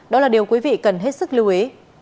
đó là điều quý vị cần hết sức lưu ý